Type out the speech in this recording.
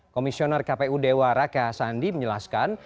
komisioner kpu dewa raka sandi menjelaskan